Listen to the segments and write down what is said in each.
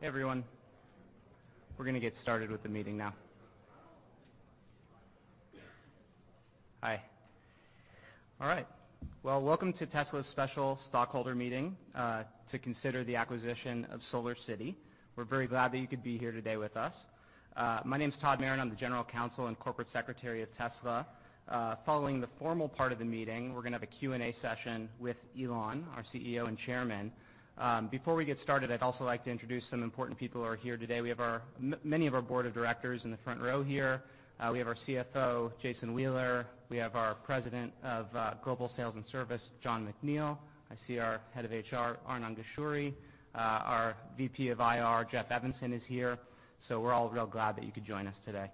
Hey, everyone. We're going to get started with the meeting now. Hi. All right. Welcome to Tesla's special stockholder meeting to consider the acquisition of SolarCity. We're very glad that you could be here today with us. My name's Todd Maron, I'm the General Counsel and Corporate Secretary of Tesla. Following the formal part of the meeting, we're going to have a Q&A session with Elon, our CEO and Chairman. Before we get started, I'd also like to introduce some important people who are here today. We have many of our board of directors in the front row here. We have our CFO, Jason Wheeler. We have our President of Global Sales and Service, Jon McNeill. I see our head of HR, Arnnon Geshuri. Our VP of IR, Jeff Evanson, is here. We're all real glad that you could join us today.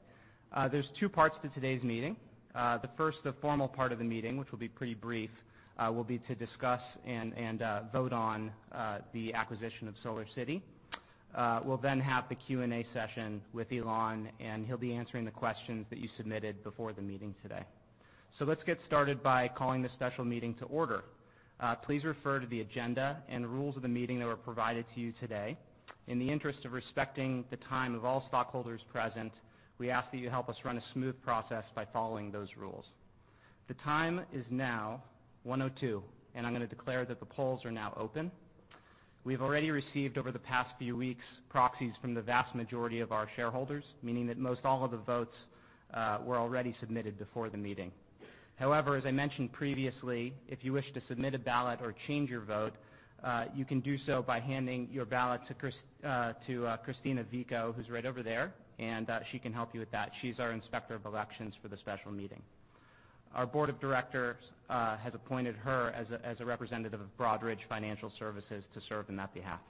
There's two parts to today's meeting. The first, the formal part of the meeting, which will be pretty brief, will be to discuss and vote on the acquisition of SolarCity. We'll then have the Q&A session with Elon, and he'll be answering the questions that you submitted before the meeting today. Let's get started by calling this special meeting to order. Please refer to the agenda and rules of the meeting that were provided to you today. In the interest of respecting the time of all stockholders present, we ask that you help us run a smooth process by following those rules. The time is now 1:02 P.M., and I'm going to declare that the polls are now open. We've already received, over the past few weeks, proxies from the vast majority of our shareholders, meaning that most all of the votes were already submitted before the meeting. As I mentioned previously, if you wish to submit a ballot or change your vote, you can do so by handing your ballot to Christina Vico, who's right over there, and she can help you with that. She's our Inspector of Elections for the special meeting. Our board of directors has appointed her as a representative of Broadridge Financial Solutions to serve in that behalf.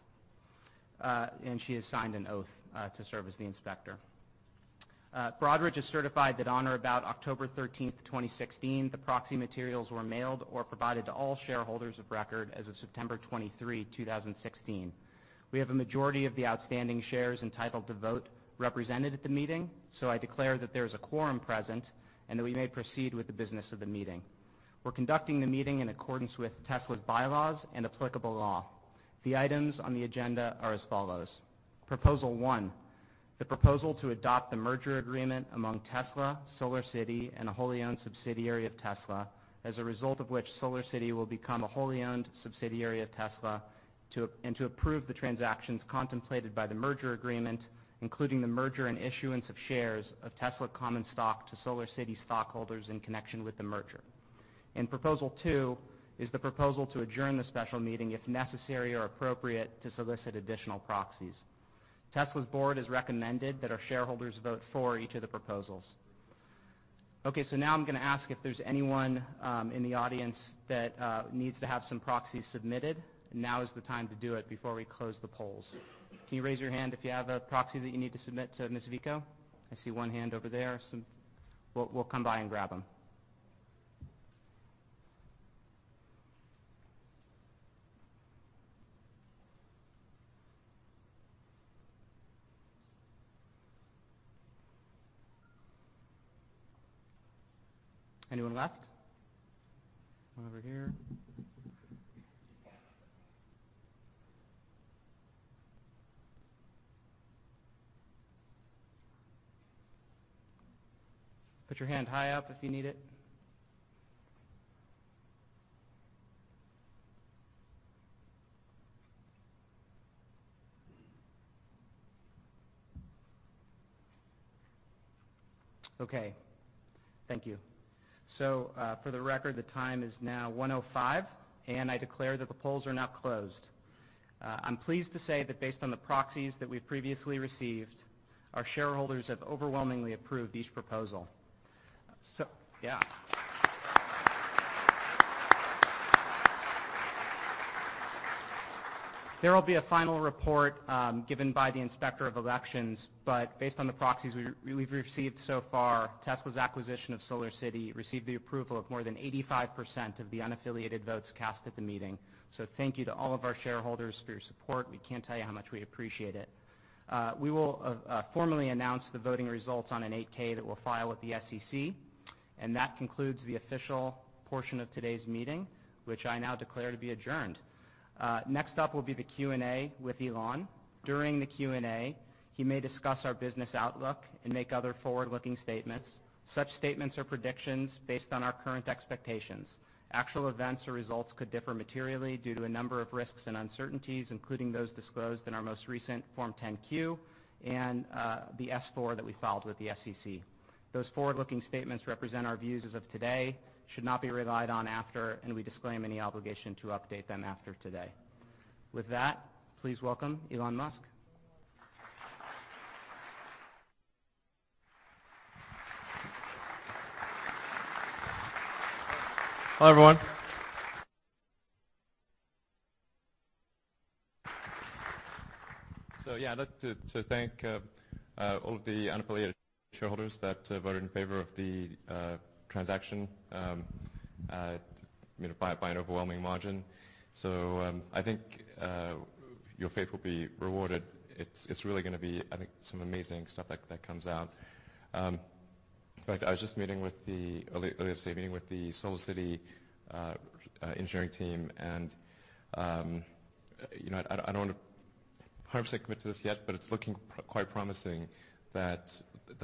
She has signed an oath to serve as the inspector. Broadridge has certified that on or about October 13th, 2016, the proxy materials were mailed or provided to all shareholders of record as of September 23, 2016. We have a majority of the outstanding shares entitled to vote represented at the meeting, so I declare that there's a quorum present and that we may proceed with the business of the meeting. We're conducting the meeting in accordance with Tesla's bylaws and applicable law. The items on the agenda are as follows. Proposal 1, the proposal to adopt the merger agreement among Tesla, SolarCity, and a wholly-owned subsidiary of Tesla, as a result of which SolarCity will become a wholly-owned subsidiary of Tesla, and to approve the transactions contemplated by the merger agreement, including the merger and issuance of shares of Tesla common stock to SolarCity stockholders in connection with the merger. Proposal 2 is the proposal to adjourn the special meeting if necessary or appropriate to solicit additional proxies. Tesla's board has recommended that our shareholders vote for each of the proposals. Now I'm going to ask if there's anyone in the audience that needs to have some proxies submitted. Now is the time to do it before we close the polls. Can you raise your hand if you have a proxy that you need to submit to Ms. Vico? I see one hand over there. We'll come by and grab them. Anyone left? One over here. Put your hand high up if you need it. Okay. Thank you. For the record, the time is now 1:05, and I declare that the polls are now closed. I'm pleased to say that based on the proxies that we've previously received, our shareholders have overwhelmingly approved each proposal. Yeah. There will be a final report given by the Inspector of Elections, but based on the proxies we've received so far, Tesla's acquisition of SolarCity received the approval of more than 85% of the unaffiliated votes cast at the meeting. Thank you to all of our shareholders for your support. We can't tell you how much we appreciate it. We will formally announce the voting results on an 8-K that we'll file with the SEC. That concludes the official portion of today's meeting, which I now declare to be adjourned. Next up will be the Q&A with Elon. During the Q&A, he may discuss our business outlook and make other forward-looking statements. Such statements are predictions based on our current expectations. Actual events or results could differ materially due to a number of risks and uncertainties, including those disclosed in our most recent Form 10-Q and the S-4 that we filed with the SEC. Those forward-looking statements represent our views as of today, should not be relied on after, and we disclaim any obligation to update them after today. With that, please welcome Elon Musk. Hello, everyone. Yeah, I'd like to thank all of the unaffiliated shareholders that voted in favor of the transaction by an overwhelming margin. I think your faith will be rewarded. It's really going to be some amazing stuff that comes out. In fact, I was just earlier today meeting with the SolarCity engineering team, and I don't want to perhaps commit to this yet, but it's looking quite promising that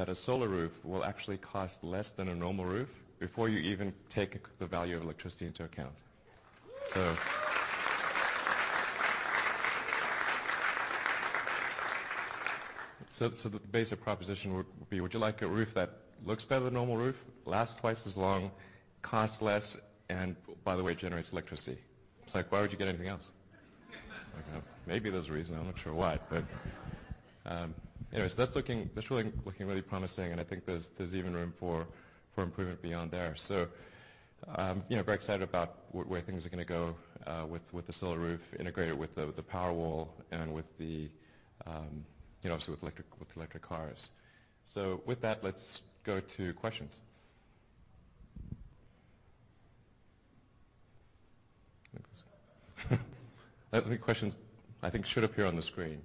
a Solar Roof will actually cost less than a normal roof before you even take the value of electricity into account. The basic proposition would be, would you like a roof that looks better than a normal roof, lasts twice as long, costs less, and by the way, generates electricity? It's like, why would you get anything else? Maybe there's a reason. I'm not sure why. Anyways, that's really looking really promising, and I think there's even room for improvement beyond there. Very excited about where things are going to go with the Solar Roof integrated with the Powerwall and obviously with electric cars. With that, let's go to questions. The questions I think should appear on the screen.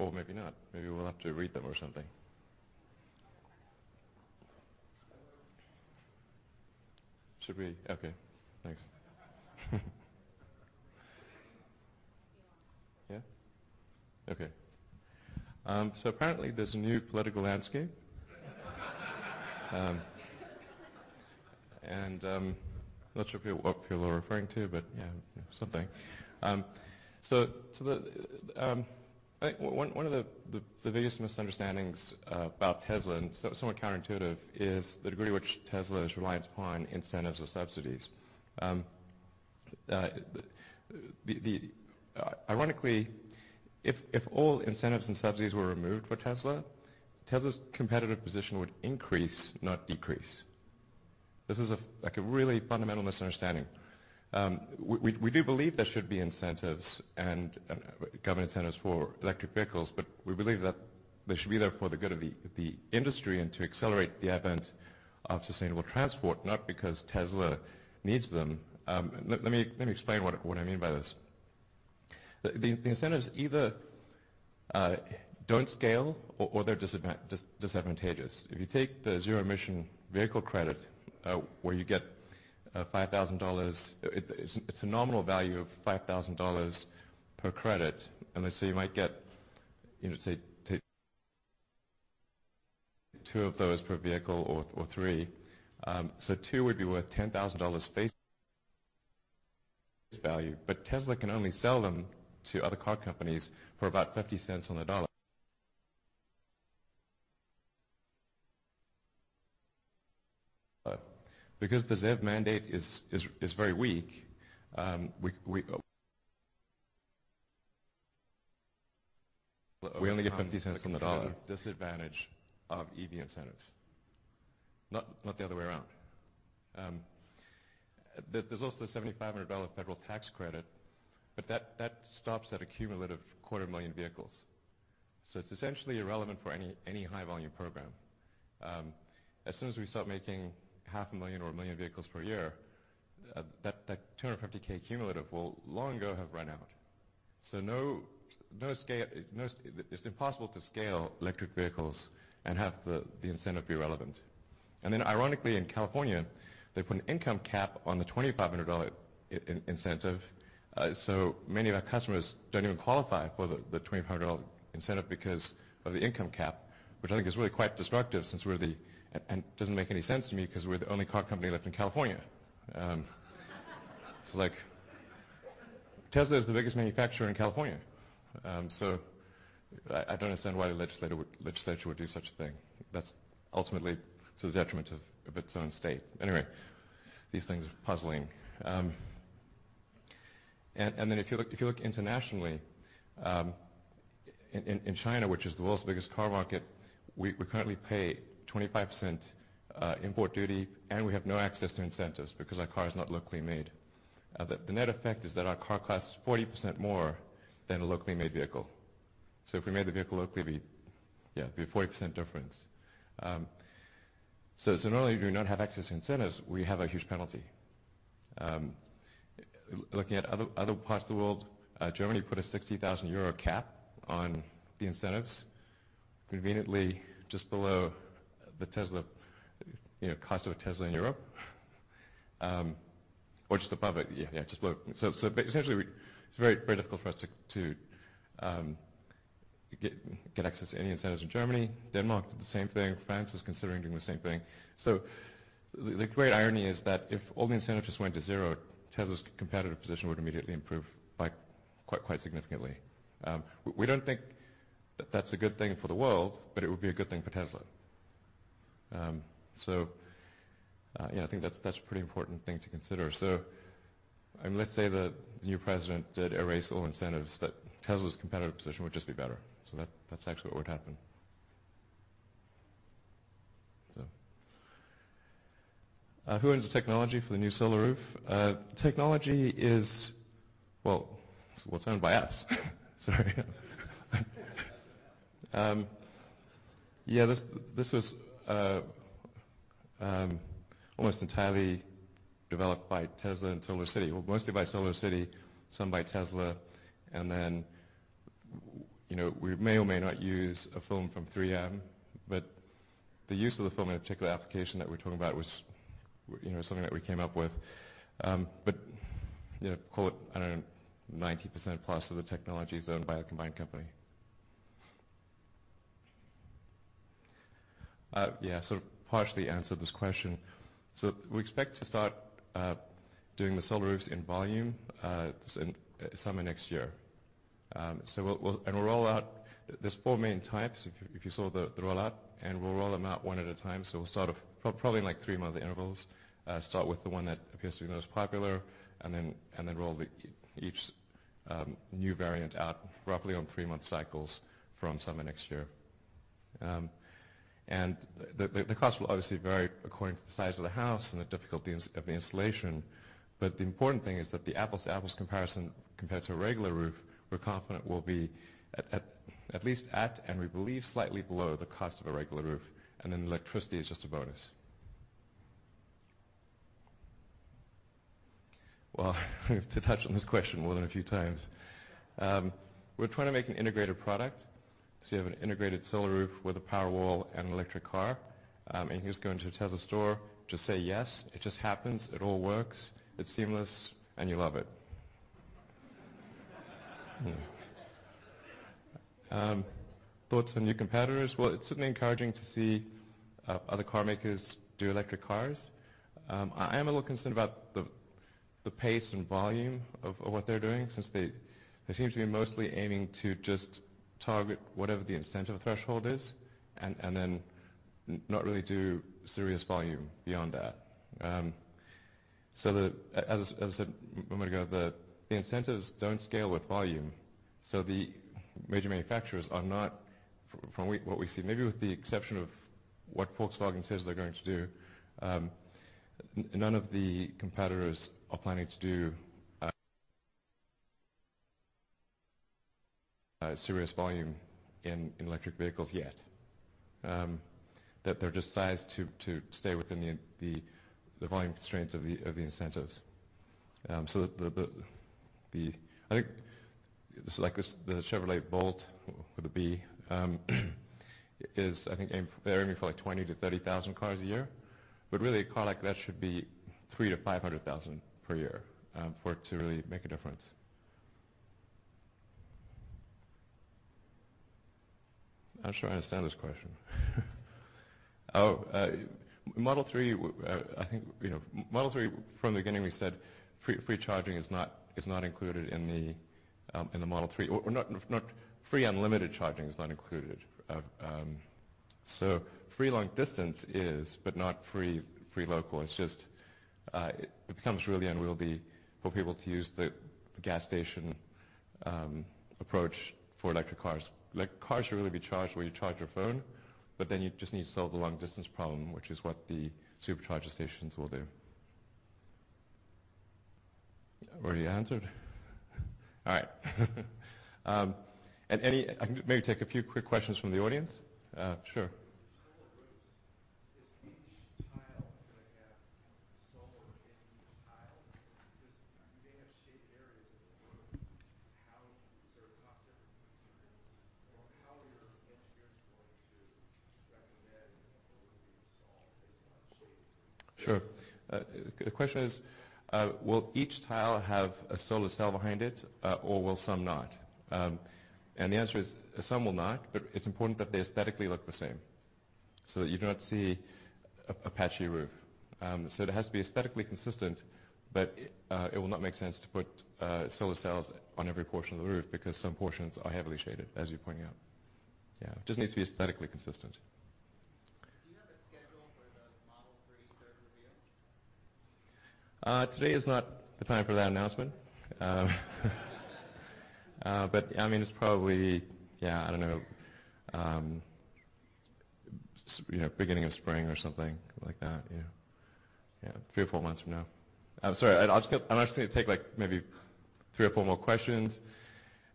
Or maybe not. Maybe we'll have to read them or something. Okay. Thanks. Yeah. Okay. Apparently, there's a new political landscape. I'm not sure what people are referring to, but yeah, something. One of the biggest misunderstandings about Tesla, and somewhat counterintuitive, is the degree to which Tesla is reliant upon incentives or subsidies. Ironically, if all incentives and subsidies were removed for Tesla's competitive position would increase, not decrease. This is a really fundamental misunderstanding. We do believe there should be incentives and government incentives for electric vehicles, but we believe that they should be there for the good of the industry and to accelerate the advent of sustainable transport, not because Tesla needs them. Let me explain what I mean by this. The incentives either don't scale or they're disadvantageous. If you take the zero-emission vehicle credit, where you get a nominal value of $5,000 per credit, and let's say you might get, say, two of those per vehicle or three. Two would be worth $10,000 face value. Tesla can only sell them to other car companies for about $0.50 on the dollar. Because the ZEV mandate is very weak, we only get $0.50 on the dollar disadvantage of EV incentives, not the other way around. There's also the $7,500 federal tax credit, that stops at a cumulative quarter of a million vehicles. It's essentially irrelevant for any high-volume program. As soon as we start making half a million or a million vehicles per year, that 250,000 cumulative will long ago have run out. It's impossible to scale electric vehicles and have the incentive be relevant. Ironically in California, they put an income cap on the $2,500 incentive, many of our customers don't even qualify for the $2,500 incentive because of the income cap, which I think is really quite destructive and doesn't make any sense to me because we're the only car company left in California. It's like Tesla is the biggest manufacturer in California. I don't understand why the legislature would do such a thing. That's ultimately to the detriment of its own state. Anyway, these things are puzzling. If you look internationally, in China, which is the world's biggest car market, we currently pay 25% import duty, and we have no access to incentives because our car is not locally made. The net effect is that our car costs 40% more than a locally made vehicle. If we made the vehicle locally, there'd be a 40% difference. Not only do we not have access to incentives, we have a huge penalty. Looking at other parts of the world, Germany put a 60,000 euro cap on the incentives, conveniently just below the cost of a Tesla in Europe or just above it. Yeah, just below it. Essentially, it's very difficult for us to get access to any incentives from Germany. Denmark did the same thing. France is considering doing the same thing. The great irony is that if all the incentives just went to zero, Tesla's competitive position would immediately improve quite significantly. We don't think that that's a good thing for the world, but it would be a good thing for Tesla. Yeah, I think that's a pretty important thing to consider. Let's say the new president did erase all incentives, that Tesla's competitive position would just be better. That's actually what would happen. "Who owns the technology for the new Solar Roof?" Technology is Well, it's owned by us. Sorry. Yeah, this was almost entirely developed by Tesla and SolarCity. Well, mostly by SolarCity, some by Tesla. We may or may not use a film from 3M, but the use of the film in a particular application that we're talking about was something that we came up with. Call it, I don't know, 90% plus of the technology is owned by a combined company. Sort of partially answered this question. We expect to start doing the Solar Roofs in volume, summer next year. We'll roll out, there's 4 main types, if you saw the rollout, and we'll roll them out one at a time. We'll start off, probably in 3-month intervals, start with the one that appears to be the most popular, and then roll each new variant out roughly on 3-month cycles from summer next year. The cost will obviously vary according to the size of the house and the difficulty of the installation. The important thing is that the apples to apples comparison compared to a regular roof, we're confident will be at least at, and we believe slightly below the cost of a regular roof, and then electricity is just a bonus. Well, we have to touch on this question more than a few times. We're trying to make an integrated product. You have an integrated Solar Roof with a Powerwall and an electric car. You just go into a Tesla store, just say, "Yes," it just happens. It all works. It's seamless, and you love it. Thoughts on new competitors. Well, it's certainly encouraging to see other car makers do electric cars. I am a little concerned about the pace and volume of what they're doing since they seem to be mostly aiming to just target whatever the incentive threshold is, and then not really do serious volume beyond that. As I said a moment ago, the incentives don't scale with volume, so the major manufacturers are not, from what we see, maybe with the exception of what Volkswagen says they're going to do, none of the competitors are planning to do serious volume in electric vehicles yet. That they're just sized to stay within the volume constraints of the incentives. I think like the Chevrolet Bolt with a B, they're aiming for 20,000-30,000 cars a year. Really, a car like that should be 300,000-500,000 per year for it to really make a difference. I'm not sure I understand this question. Model 3, from the beginning, we said free charging is not included in the Model 3, or free unlimited charging is not included. Free long distance is, but not free local. It becomes really unwieldy for people to use the gas station approach for electric cars. Electric cars should really be charged where you charge your phone, you just need to solve the long-distance problem, which is what the Supercharger stations will do. Already answered. All right. I can maybe take a few quick questions from the audience. Sure. With the Solar Roofs, does each tile have solar in each tile? Because you may have shaded areas of the roof. Is there a cost difference between, or how are your engineers going to recommend a roof be installed based on shade? Sure. The question is, will each tile have a solar cell behind it or will some not? The answer is, some will not, but it's important that they aesthetically look the same, so that you do not see a patchy roof. It has to be aesthetically consistent, but it will not make sense to put solar cells on every portion of the roof because some portions are heavily shaded, as you're pointing out. Yeah. It just needs to be aesthetically consistent. Do you have a schedule for the Model 3 third reveal? Today is not the time for that announcement. It's probably, I don't know, beginning of spring or something like that, yeah. Three or four months from now. I'm sorry. I'm just going to take maybe three or four more questions.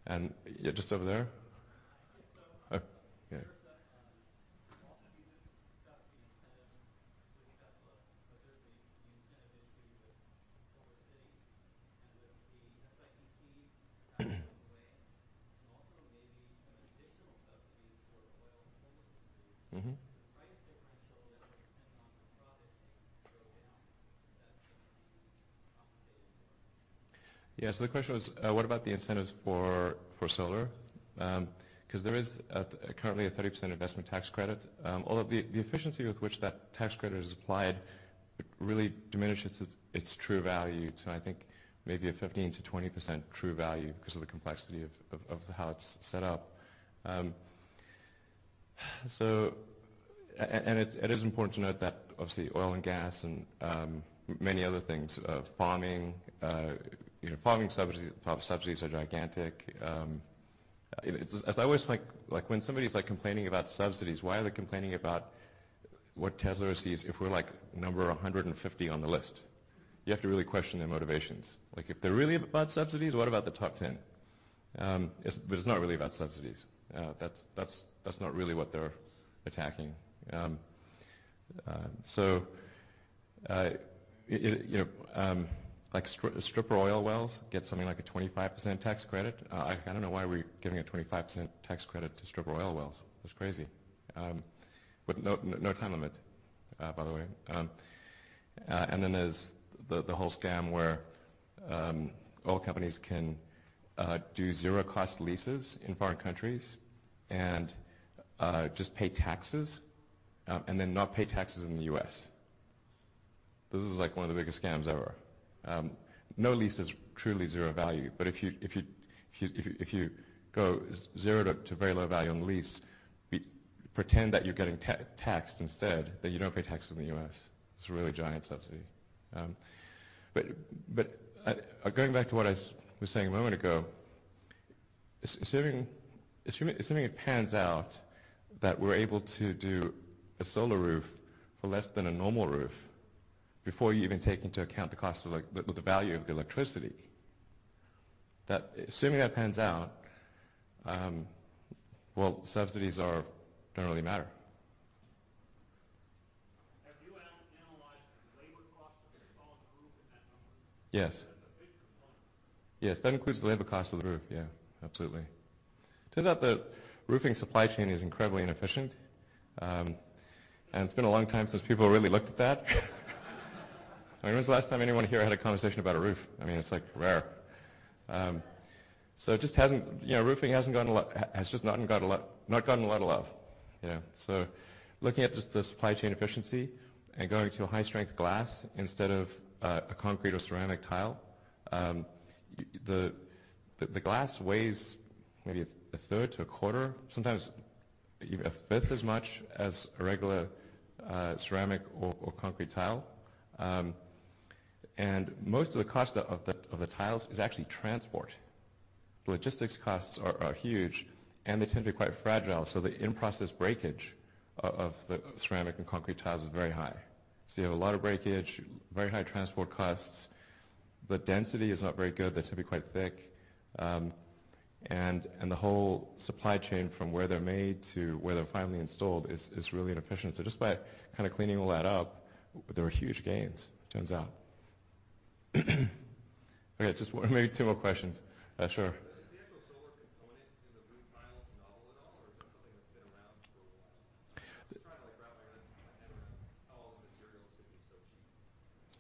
Yeah, just over there. my question is. yeah. do you defer to discuss the incentives with Tesla, but there's the incentive issue with SolarCity and with the ITC passing away, and also maybe some additional subsidies for oil and solar. the price differential that would depend on the product to go down, is that going to be compensated for? The question was, what about the incentives for solar? There is currently a 30% investment tax credit. Although the efficiency with which that tax credit is applied really diminishes its true value to, I think, maybe a 15%-20% true value because of the complexity of how it's set up. It is important to note that, obviously, oil and gas and many other things, farming subsidies are gigantic. When somebody's complaining about subsidies, why are they complaining about what Tesla receives if we're number 150 on the list, you have to really question their motivations. If they're really about subsidies, what about the top 10? It's not really about subsidies. That's not really what they're attacking. Stripper oil wells get something like a 25% tax credit. I don't know why we're giving a 25% tax credit to stripper oil wells. That's crazy. With no time limit, by the way. There's the whole scam where oil companies can do zero-cost leases in foreign countries, and just pay taxes, and then not pay taxes in the U.S. This is one of the biggest scams ever. No lease is truly zero value, if you go zero to very low value on the lease, pretend that you're getting taxed instead, then you don't pay taxes in the U.S. It's a really giant subsidy. Going back to what I was saying a moment ago, assuming it pans out that we're able to do a Solar Roof for less than a normal roof before you even take into account the value of the electricity, assuming that pans out, well, subsidies don't really matter. Have you analyzed the labor cost of installing the roof in that number? Yes. That's a big component. Yes, that includes the labor cost of the roof. Yeah, absolutely. Turns out the roofing supply chain is incredibly inefficient. It's been a long time since people really looked at that. When was the last time anyone here had a conversation about a roof? It's rare. Roofing has just not gotten a lot of love. Looking at just the supply chain efficiency and going to a high-strength glass instead of a concrete or ceramic tile, the glass weighs maybe a third to a quarter, sometimes even a fifth as much as a regular ceramic or concrete tile. Most of the cost of the tiles is actually transport. The logistics costs are huge, and they tend to be quite fragile, so the in-process breakage of the ceramic and concrete tiles is very high. You have a lot of breakage, very high transport costs. The density is not very good. They're typically quite thick. The whole supply chain from where they're made to where they're finally installed is really inefficient. Just by kind of cleaning all that up, there are huge gains, it turns out. Okay, just maybe two more questions. Sure. Is the actual solar component in the roof tiles novel at all, or is that something that's been around for a while? Just trying to wrap my head around how all the materials can be so cheap.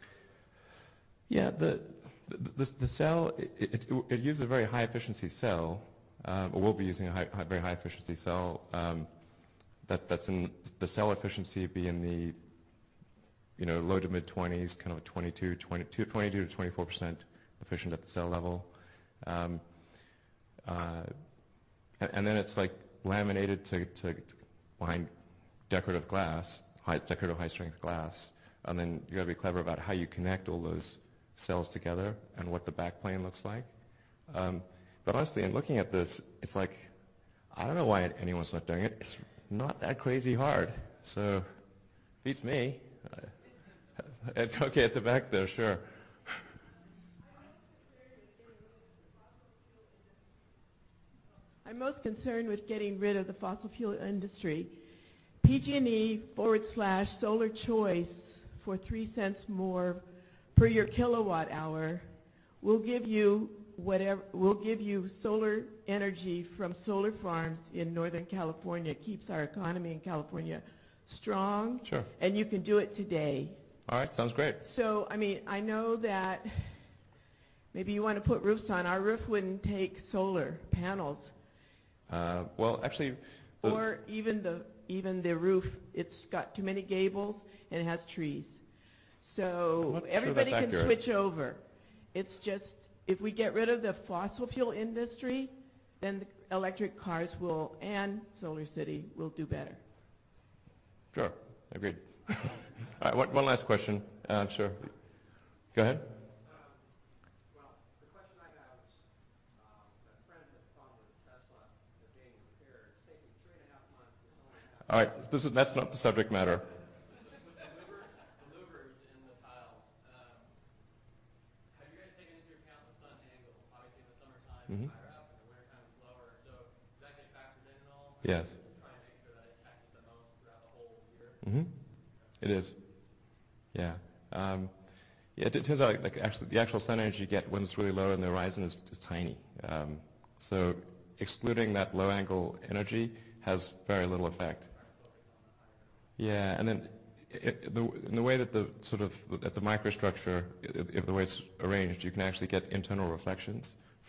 Yeah. It uses a very high-efficiency cell, or will be using a very high-efficiency cell. The cell efficiency would be in the low to mid-20s, kind of a 22%-24% efficient at the cell level. Then it's laminated to decorative high-strength glass. Then you've got to be clever about how you connect all those cells together and what the back plane looks like. Honestly, in looking at this, it's like, I don't know why anyone's not doing it. It's not that crazy hard. Beats me. Okay, at the back there. Sure. I'm most concerned with getting rid of the fossil fuel industry. PG&E forward slash solar choice for $0.03 more per your kilowatt-hour will give you solar energy from solar farms in Northern California. It keeps our economy in California strong. Sure You can do it today. All right. Sounds great. I know that maybe you want to put roofs on. Our roof wouldn't take solar panels. Well, actually Even the roof. It's got too many gables, and it has trees. I'm not sure that that carries can switch over. It's just if we get rid of the fossil fuel industry, then electric cars and SolarCity will do better. Sure. Agreed. All right, one last question. Sure. Go ahead. Well, the question I have is a friend had a problem with Tesla with getting repairs. It's taking three and a half months to only have. All right. That's not the subject matter. With the louvers in the tiles, have you guys taken into account the sun angle? Obviously, in the summertime, it's higher up. In the wintertime, it's lower. Does that get factored in at all? Yes. Try and make sure that it captures the most throughout the whole year? It is. Yeah. It turns out, the actual sun energy you get when it's really low on the horizon is tiny. Excluding that low-angle energy has very little effect. It kind of focuses on the tiles. Yeah, then in the way that the microstructure, the way it's arranged, you can actually get internal reflections.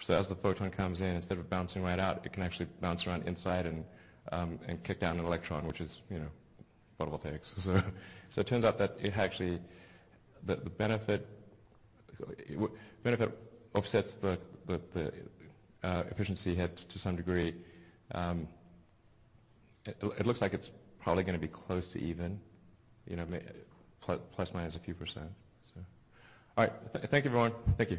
As the photon comes in, instead of bouncing right out, it can actually bounce around inside and kick down an electron, which is photovoltaics. It turns out that the benefit offsets the efficiency hit to some degree. It looks like it's probably going to be close to even, plus or minus a few %. All right. Thank you, everyone. Thank you.